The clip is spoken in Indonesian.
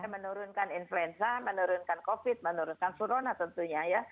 menurunkan influenza menurunkan covid menurunkan flurona tentunya ya